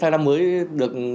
năm mới được